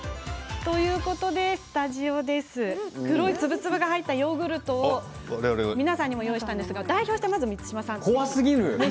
黒い粒々が入ったヨーグルトを皆さんにも用意したんですが代表して、まず満島さん。